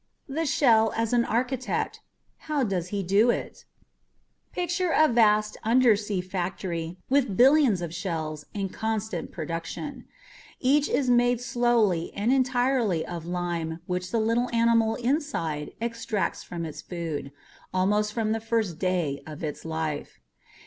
THE SHELL AS AN ARCHITECT. . .HOW DOES HE DO IT? Picture a vast undersea factory with billions of shells in constant production. Each is made slowly and entirely of lime which the little animal inside extracts from its food, almost from the first day of its life.